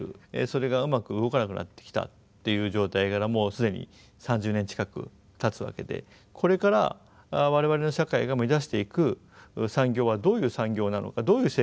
それがうまく動かなくなってきたっていう状態からもう既に３０年近くたつわけでこれから我々の社会が目指していく産業はどういう産業なのかどういう生活なのかと。